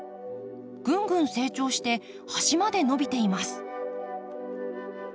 ぐんぐん成長して端まで伸びています。